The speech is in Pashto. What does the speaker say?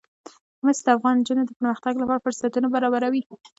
مس د افغان نجونو د پرمختګ لپاره فرصتونه برابروي.